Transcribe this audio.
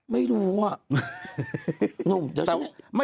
ไม่รู้อะ